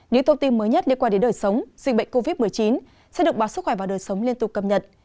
những thông tin mới nhất liên quan đến đời sống dịch bệnh covid một mươi chín sẽ được báo sức khỏe và đời sống liên tục cập nhật